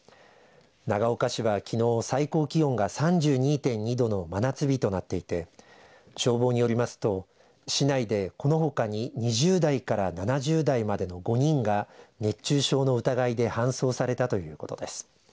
長岡市はきのう最高気温が３２．２度の真夏日となっていて消防によりますと市内で、このほかに２０代から７０代までの５人が熱中症の疑いで搬送されたということです。